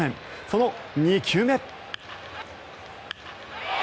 その２球目。